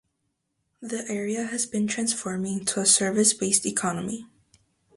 The area has been transforming to a service-based economy.